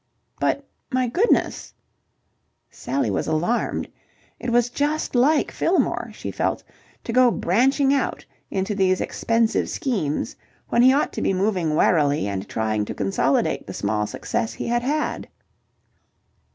"But my goodness!" Sally was alarmed. It was just like Fillmore, she felt, to go branching out into these expensive schemes when he ought to be moving warily and trying to consolidate the small success he had had.